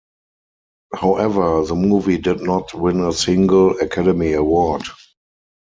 However, the movie did not win a single Academy Award.